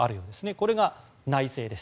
これが内政です。